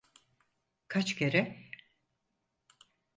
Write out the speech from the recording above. Kaç kere?